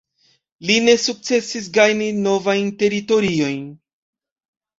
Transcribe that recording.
Li ne sukcesis gajni novajn teritoriojn.